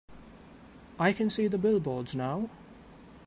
I can see the billboards now.